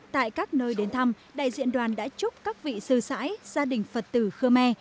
tại các nơi đến thăm đại diện đoàn đã chúc các vị sư sãi gia đình phật tử khơ me